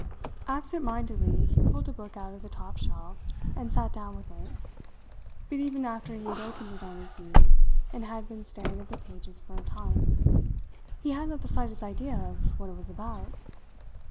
Absent mindedly he pulled a book out of the top shelf, and sat down with it; but even after he had opened it on his knee, and had been staring at the pages for a time, he had not the slightest idea of what it was about.